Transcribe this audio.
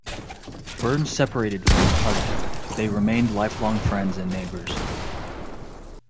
Burn separated from her husband, but they remained lifelong friends and neighbors.